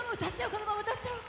このまま歌っちゃおう。